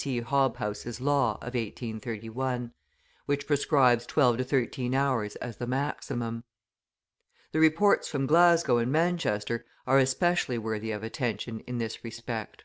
C. Hobhouse's law (of 1831), which prescribes twelve to thirteen hours as the maximum. The reports from Glasgow and Manchester are especially worthy of attention in this respect.